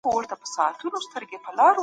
وګورئ چې پرېکړې څنګه نیول کېږي.